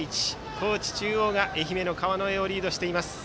高知中央が愛媛の川之江をリードしています。